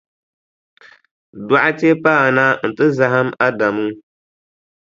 Dɔɣite paana nti zahim Adamu.